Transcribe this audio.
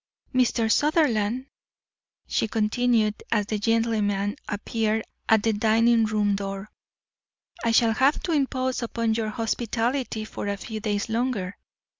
"Mr. Sutherland," she continued, as that gentleman appeared at the dining room door, "I shall have to impose upon your hospitality for a few days longer.